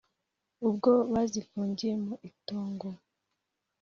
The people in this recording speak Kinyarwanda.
Ubwo bazifungiye mu itongo